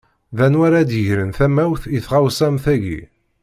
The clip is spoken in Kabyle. D anwa ara ad yegren tamawt i tɣawsa am taki.